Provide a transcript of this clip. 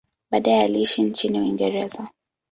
Baadaye aliishi nchini Uingereza.